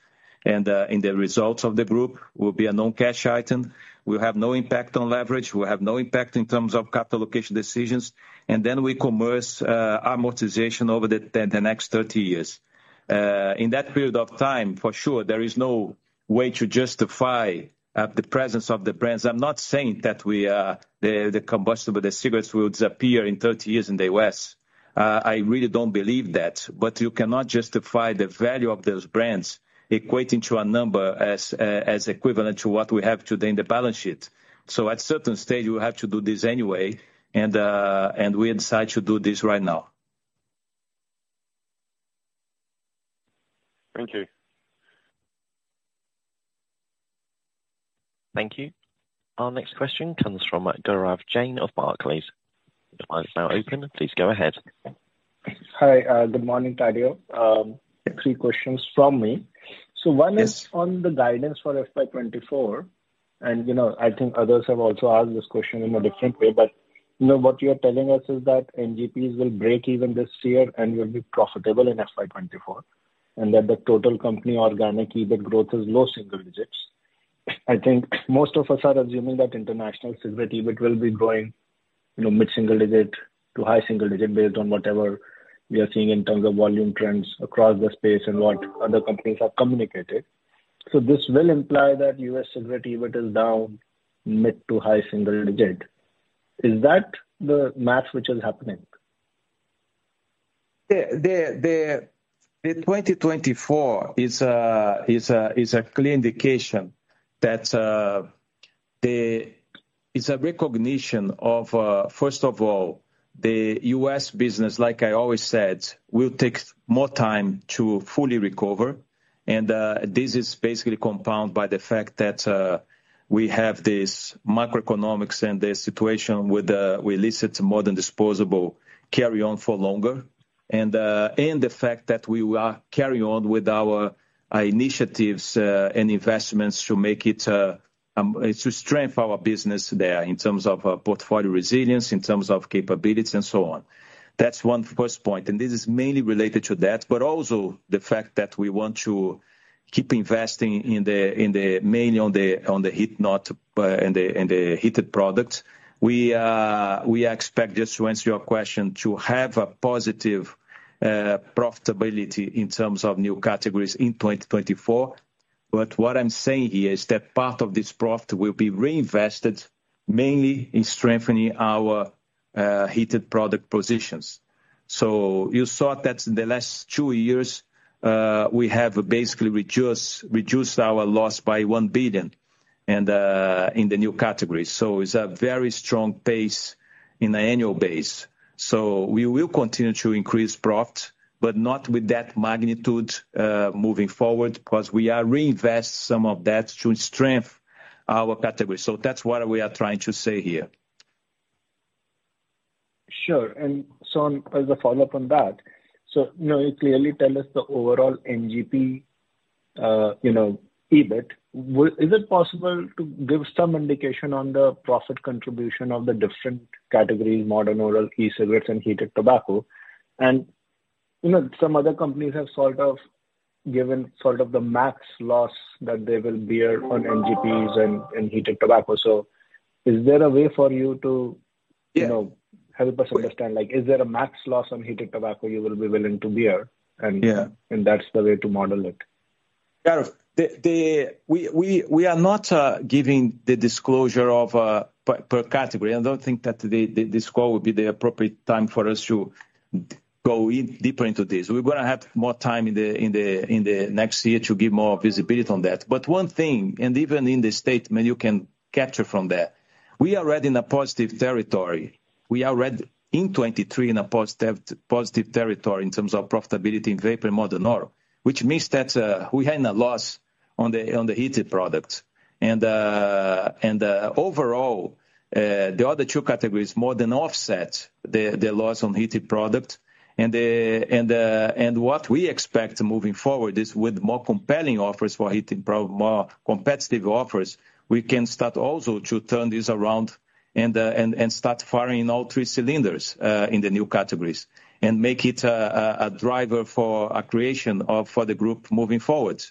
Speaker 3: and in the results of the group, will be a non-cash item, will have no impact on leverage, will have no impact in terms of capital allocation decisions, and then we commence amortization over the next 30 years. In that period of time, for sure, there is no way to justify the presence of the brands. I'm not saying that the combustibles, the cigarettes, will disappear in 30 years in the U.S. I really don't believe that, but you cannot justify the value of those brands equating to a number as equivalent to what we have today in the balance sheet. So at certain stage, you have to do this anyway, and we decide to do this right now.
Speaker 7: Thank you.
Speaker 1: Thank you. Our next question comes from Gaurav Jain of Barclays. Your line is now open, please go ahead.
Speaker 6: Hi, good morning, Tadeu. Three questions from me.
Speaker 3: Yes.
Speaker 6: So one is on the guidance for FY 2024, and, you know, I think others have also asked this question in a different way, but, you know, what you are telling us is that NGPs will break even this year and will be profitable in FY 2024, and that the total company organic EBIT growth is low single digits. I think most of us are assuming that international cigarette EBIT will be growing, you know, mid-single digit to high single digit, based on whatever we are seeing in terms of volume trends across the space and what other companies have communicated. So this will imply that U.S. cigarette EBIT is down mid to high single digit. Is that the math which is happening?
Speaker 3: The 2024 is a clear indication that. It's a recognition of, first of all, the U.S. business, like I always said, will take more time to fully recover, and this is basically compounded by the fact that we have this macroeconomic situation and the situation with illicit trade to modern disposable carry on for longer. And the fact that we are carrying on with our initiatives and investments to strengthen our business there in terms of portfolio resilience, in terms of capabilities and so on. That's one first point, and this is mainly related to that, but also the fact that we want to keep investing in the, in the mainly on the heated product. We expect, just to answer your question, to have a positive profitability in terms of new categories in 2024. But what I'm saying here is that part of this profit will be reinvested mainly in strengthening our heated product positions. So you saw that in the last two years we have basically reduced, reduced our loss by 1 billion, and in the new category. So it's a very strong-pace in the annual-base. So we will continue to increase profit, but not with that magnitude moving forward, because we are reinvest some of that to strengthen our category. So that's what we are trying to say here.
Speaker 6: Sure. And so as a follow-up on that, so, you know, you clearly tell us the overall NGP, you know, EBIT. Is it possible to give some indication on the profit contribution of the different categories, modern, oral, e-cigarettes, and heated tobacco? And, you know, some other companies have sort of given sort of the max loss that they will bear on NGPs and, and heated tobacco. So is there a way for you to-
Speaker 3: Yeah.
Speaker 6: -you know, help us understand? Like, is there a max loss on heated tobacco you will be willing to bear, and-
Speaker 3: Yeah.
Speaker 6: And that's the way to model it?
Speaker 3: Gaurav, we are not giving the disclosure of per category. I don't think that this call would be the appropriate time for us to go in deeper into this. We're gonna have more time in the next year to give more visibility on that. But one thing, and even in the statement, you can capture from that, we are already in a positive territory. We are already in 2023 in a positive territory in terms of profitability in vapor modern oral, which means that we had a loss on the heated product. And overall, the other two categories more than offset the loss on heated product. What we expect moving forward is with more compelling offers for heated products, more competitive offers, we can start also to turn this around and start firing all three cylinders in the new categories, and make it a driver for a creation of, for the group moving forward.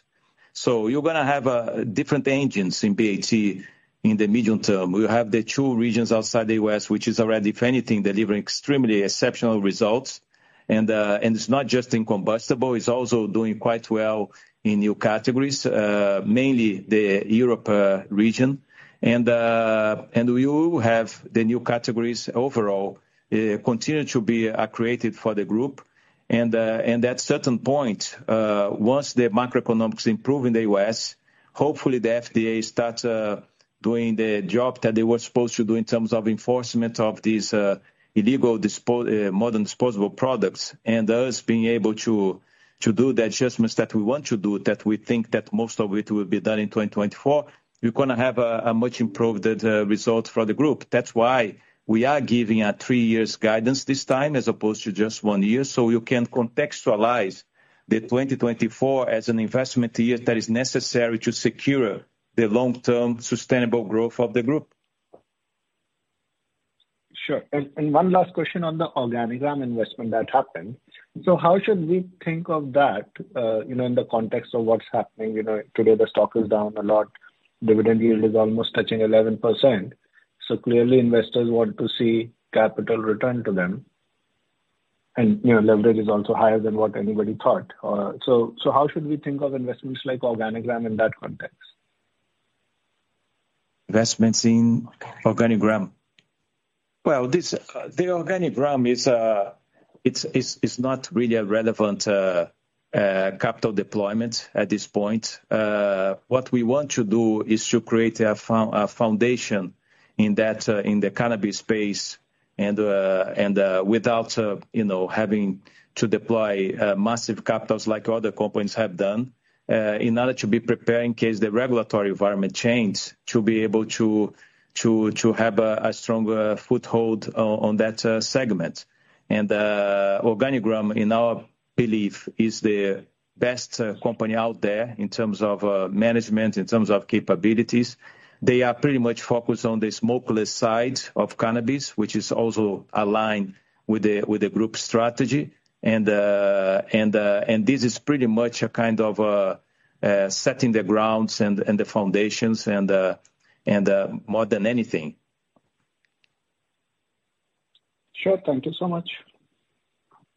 Speaker 3: So you're gonna have different engines in BAT in the medium term. We have the two regions outside the U.S., which is already, if anything, delivering extremely exceptional results. And it's not just in combustible, it's also doing quite well in new categories, mainly the European region. And we will have the new categories overall continue to be created for the group. At a certain point, once the macroeconomics improve in the U.S., hopefully the FDA starts doing the job that they were supposed to do in terms of enforcement of these illegal disposable modern disposable products, and us being able to do the adjustments that we want to do, that we think that most of it will be done in 2024, we're gonna have a much improved result for the group. That's why we are giving a three years guidance this time, as opposed to just one year. So you can contextualize the 2024 as an investment year that is necessary to secure the long-term sustainable growth of the group.
Speaker 6: Sure. And one last question on the Organigram investment that happened. So how should we think of that, you know, in the context of what's happening? You know, today, the stock is down a lot. Dividend yield is almost touching 11%. So clearly, investors want to see capital return to them, and, you know, leverage is also higher than what anybody thought. So, how should we think of investments like Organigram in that context?
Speaker 3: Investments in Organigram? Well, this, the Organigram is, it's not really a relevant capital deployment at this point. What we want to do is to create a foundation in that, in the cannabis space, and, without, you know, having to deploy massive capitals like other companies have done, in order to be prepared in case the regulatory environment changes, to be able to have a stronger foothold on that segment. And, Organigram, in our belief, is the best company out there in terms of management, in terms of capabilities. They are pretty much focused on the smokeless side of cannabis, which is also aligned with the group's strategy. This is pretty much a kind of setting the grounds and the foundations and more than anything.
Speaker 6: Sure. Thank you so much.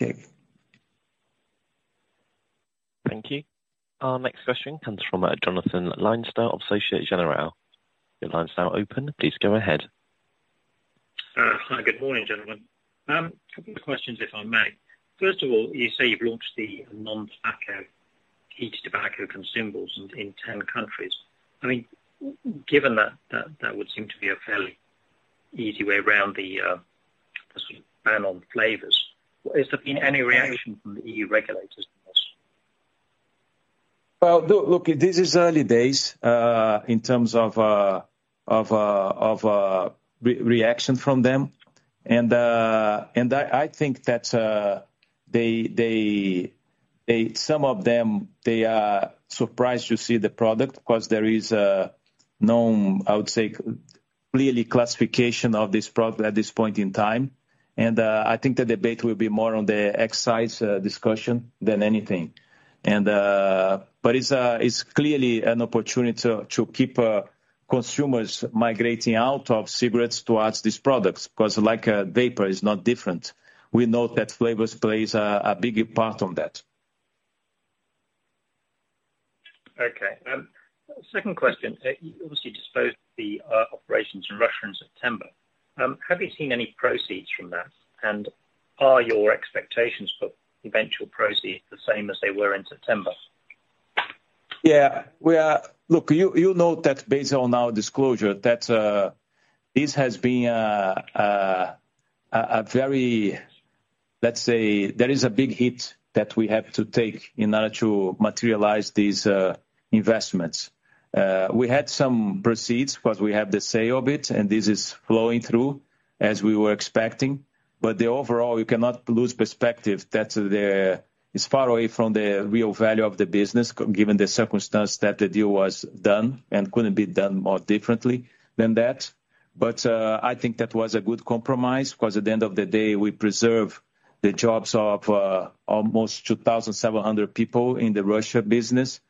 Speaker 3: Okay.
Speaker 1: Thank you. Our next question comes from Jonathan Leinster of Société Générale. Your line's now open. Please go ahead....
Speaker 8: Hi, good morning, gentlemen. A couple of questions, if I may. First of all, you say you've launched the non-tobacco heated tobacco consumables in 10 countries. I mean, given that, that would seem to be a fairly easy way around the sort of ban on flavors. Has there been any reaction from the EU regulators on this?
Speaker 3: Well, look, look, this is early days in terms of reaction from them. And I think that they—some of them are surprised to see the product, because there is no clear classification of this product at this point in time. And I think the debate will be more on the excise discussion than anything. But it's clearly an opportunity to keep consumers migrating out of cigarettes towards these products, 'cause like a vapor, it's not different. We know that flavors plays a big part on that.
Speaker 8: Okay. Second question. You obviously disposed of the operations in Russia in September. Have you seen any proceeds from that? And are your expectations for eventual proceeds the same as they were in September?
Speaker 3: Yeah. Look, you know that based on our disclosure, that this has been a very, let's say, there is a big hit that we have to take in order to materialize these investments. We had some proceeds, because we have the sale of it, and this is flowing through, as we were expecting. But the overall, you cannot lose perspective, that the, it's far away from the real value of the business, given the circumstance that the deal was done, and couldn't be done more differently than that. But, I think that was a good compromise, 'cause at the end of the day, we preserve the jobs of almost 2,700 people in the Russia business,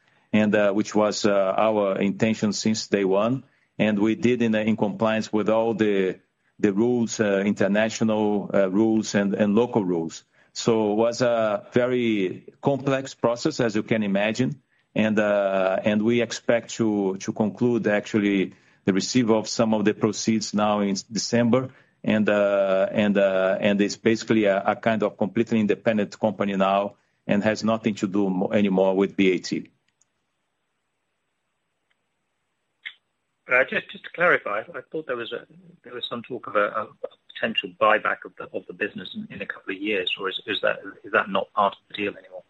Speaker 3: and which was our intention since day one. And we did it in compliance with all the rules, international rules and local rules. So it was a very complex process, as you can imagine. And we expect to conclude, actually, the receipt of some of the proceeds now in December, and it's basically a kind of completely independent company now, and has nothing to do anymore with BAT.
Speaker 8: Just to clarify, I thought there was some talk of a potential buyback of the business in a couple of years, or is that not part of the deal anymore?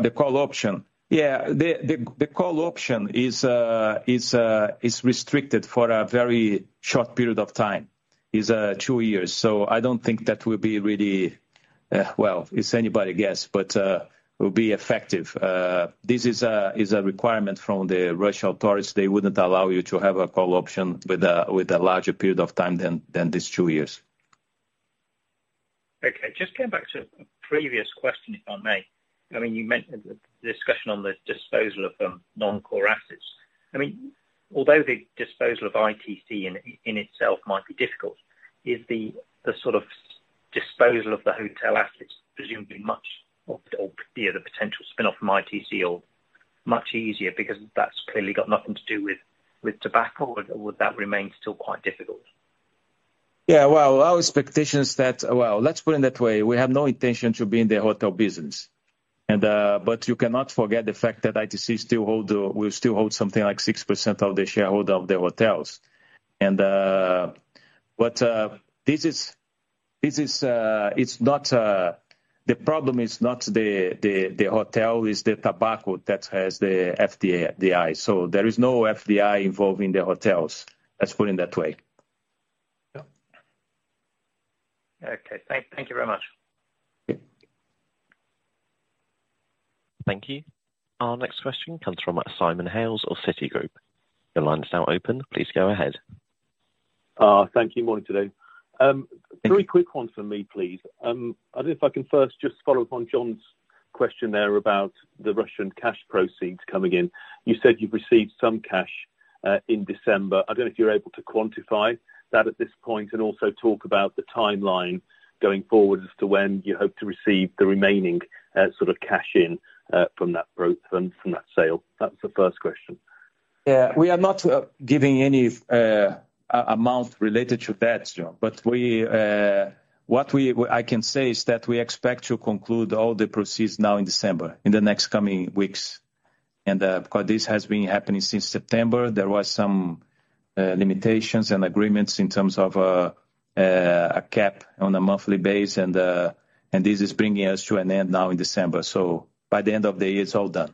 Speaker 3: The call option? Yeah. The call option is restricted for a very short period of time. It's two years, so I don't think that will be really... Well, it's anybody's guess, but will be effective. This is a requirement from the Russian authorities. They wouldn't allow you to have a call option with a larger period of time than these two years.
Speaker 8: Okay. Just coming back to a previous question, if I may. I mean, you mentioned the discussion on the disposal of non-core assets. I mean, although the disposal of ITC in itself might be difficult, is the sort of disposal of the hotel assets presumably much or, you know, the potential spin-off from ITC or much easier because that's clearly got nothing to do with tobacco, or would that remain still quite difficult?
Speaker 3: Yeah, well, our expectation is that... Well, let's put it that way, we have no intention to be in the hotel business. But you cannot forget the fact that ITC still hold, will still hold something like 6% of the shareholder of the hotels. But this is, this is, it's not, the problem is not the, the, the hotel, it's the tobacco that has the FDI. So there is no FDI involved in the hotels. Let's put it that way.
Speaker 8: Yeah. Okay. Thank you very much.
Speaker 1: Thank you. Our next question comes from Simon Hales of Citigroup. Your line is now open. Please go ahead.
Speaker 9: Thank you. Morning Tadeu. Three quick ones from me, please. I don't know if I can first just follow up on John's question there about the Russian cash proceeds coming in. You said you've received some cash in December. I don't know if you're able to quantify that at this point, and also talk about the timeline going forward as to when you hope to receive the remaining sort of cash in from that sale? That's the first question.
Speaker 3: Yeah, we are not giving any amount related to that, John, but what I can say is that we expect to conclude all the proceeds now in December, in the next coming weeks. And, because this has been happening since September, there was some limitations and agreements in terms of, a cap on a monthly basis, and, and this is bringing us to an end now in December. So by the end of the year, it's all done.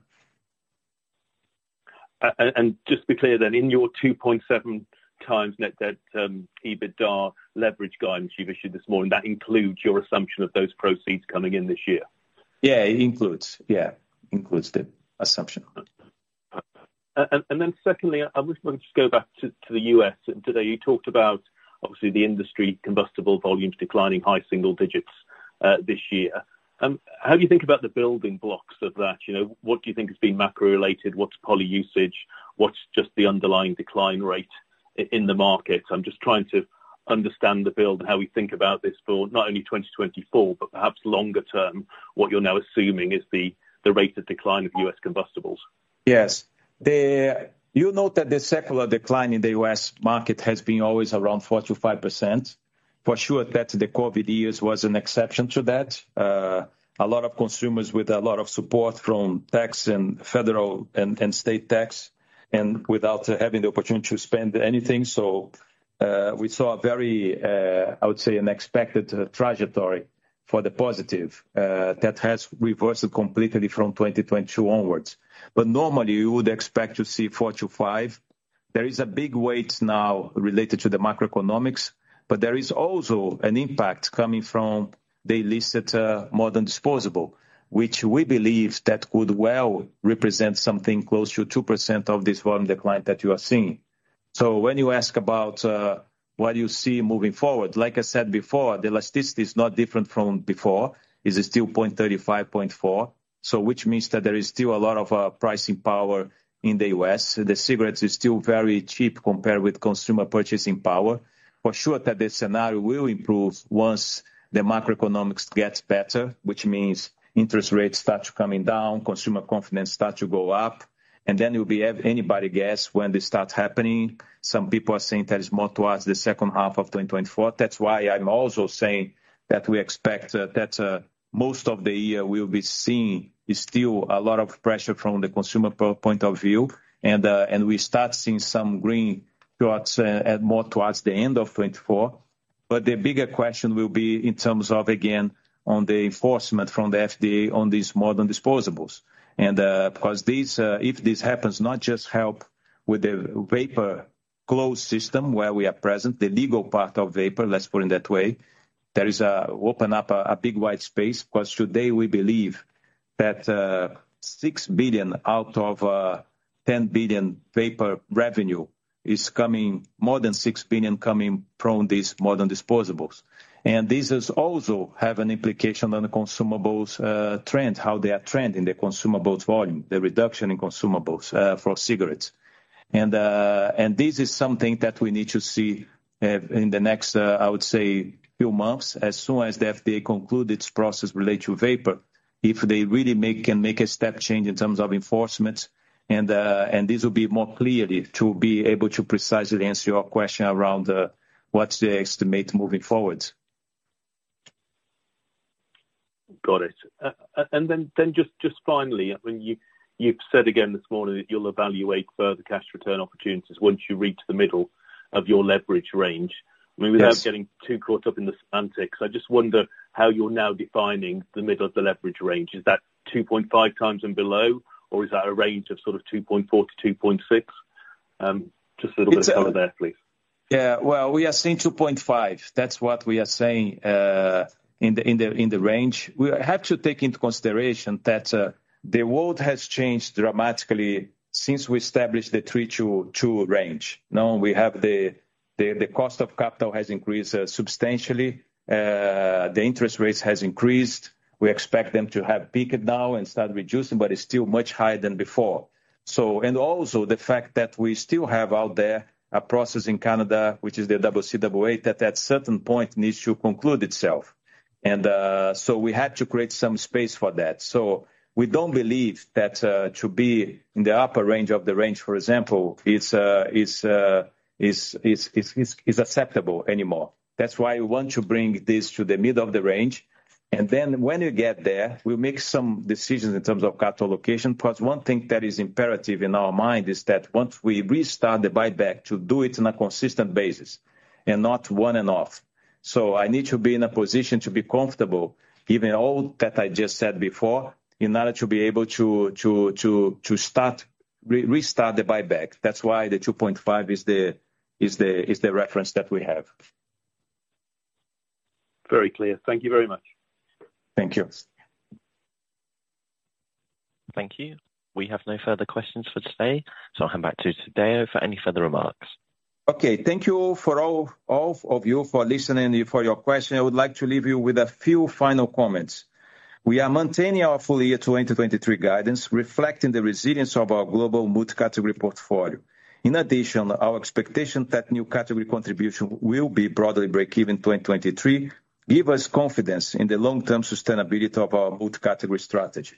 Speaker 9: Just to be clear then, in your 2.7x net debt, EBITDA leverage guidance you've issued this morning, that includes your assumption of those proceeds coming in this year?
Speaker 3: Yeah, it includes. Yeah, includes the assumption.
Speaker 9: And then secondly, I just wanted to go back to the U.S. Today, you talked about obviously the industry combustible volumes declining high single digits this year. How do you think about the building blocks of that? You know, what do you think has been macro-related, what's poly-usage, what's just the underlying decline rate in the market? I'm just trying to understand the build and how we think about this for not only 2024, but perhaps longer term, what you're now assuming is the rate of decline of U.S. combustibles....
Speaker 3: Yes. You know that the secular decline in the U.S. market has been always around 4%-5%. For sure, that the COVID years was an exception to that. A lot of consumers with a lot of support from tax and federal and state tax, and without having the opportunity to spend anything. So, we saw a very, I would say, unexpected trajectory for the positive, that has reversed completely from 2022 onwards. But normally, you would expect to see 4%-5%. There is a big weight now related to the macroeconomics, but there is also an impact coming from the illicit, modern disposable, which we believe that could well represent something close to 2% of this volume decline that you are seeing. So when you ask about what you see moving forward, like I said before, the elasticity is not different from before, is still 0.35, 0.4. So which means that there is still a lot of pricing power in the U.S. The cigarettes is still very cheap compared with consumer purchasing power. For sure, that the scenario will improve once the macroeconomics gets better, which means interest rates start coming down, consumer confidence start to go up, and then it will be everybody guess when this starts happening. Some people are saying that it's more towards the second half of 2024. That's why I'm also saying that we expect that most of the year we'll be seeing still a lot of pressure from the consumer point of view, and we start seeing some green shoots at more towards the end of 2024. But the bigger question will be in terms of, again, on the enforcement from the FDA on these modern disposables. And because this, if this happens, not just help with the vapor closed system where we are present, the legal part of vapor, let's put it that way, there opens up a big wide space, because today, we believe that 6 billion out of 10 billion vapor revenue is coming. More than 6 billion, coming from these modern disposables. And this is also have an implication on the consumables trend, how they are trending, the consumables volume, the reduction in consumables for cigarettes. And this is something that we need to see in the next, I would say few months, as soon as the FDA conclude its process related to vapor. If they really can make a step change in terms of enforcement, and this will be more clearly to be able to precisely answer your question around what's the estimate moving forward.
Speaker 9: Got it. And then, just finally, I mean, you've said again this morning that you'll evaluate further cash return opportunities once you reach the middle of your leverage range.
Speaker 3: Yes.
Speaker 9: I mean, without getting too caught up in the semantics, I just wonder how you're now defining the middle of the leverage range. Is that 2.5x and below, or is that a range of sort of 2.4x-2.6x? Just a little bit of color there, please.
Speaker 3: Yeah. Well, we are seeing 2.5. That's what we are saying in the range. We have to take into consideration that the world has changed dramatically since we established the 3-2 range. Now, the cost of capital has increased substantially. The interest rates has increased. We expect them to have peaked now and start reducing, but it's still much higher than before. So, and also the fact that we still have out there a process in Canada, which is the CCAA, that at certain point needs to conclude itself. And so we had to create some space for that. So we don't believe that to be in the upper range of the range, for example, is acceptable anymore. That's why we want to bring this to the middle of the range, and then when you get there, we'll make some decisions in terms of capital allocation. Plus, one thing that is imperative in our mind is that once we restart the buyback, to do it on a consistent basis, and not on and off. So I need to be in a position to be comfortable, given all that I just said before, in order to be able to restart the buyback. That's why the 2.5 is the reference that we have.
Speaker 9: Very clear. Thank you very much.
Speaker 3: Thank you.
Speaker 1: Thank you. We have no further questions for today, so I'll hand back to Tadeu for any further remarks.
Speaker 3: Okay. Thank you all for all, all of you for listening and for your question. I would like to leave you with a few final comments. We are maintaining our full-year 2023 guidance, reflecting the resilience of our global multi-category portfolio. In addition, our expectation that new category contribution will be broadly break even in 2023, give us confidence in the long-term sustainability of our multi-category strategy.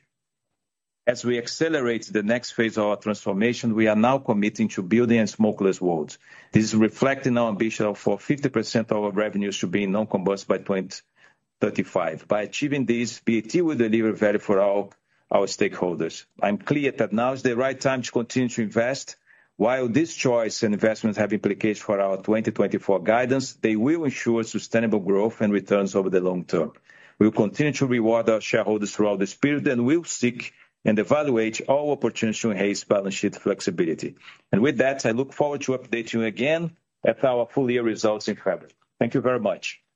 Speaker 3: As we accelerate the next phase of our transformation, we are now committing to Building a Smokeless World. This is reflecting our ambition for 50% of our revenues to be non-combustible by 2035. By achieving this, BAT will deliver value for all our stakeholders. I'm clear that now is the right time to continue to invest. While this choice and investment have implications for our 2024 guidance, they will ensure sustainable growth and returns over the long term. We'll continue to reward our shareholders throughout this period, and we'll seek and evaluate all opportunities to enhance balance sheet flexibility. And with that, I look forward to updating you again at our full-year results in February. Thank you very much.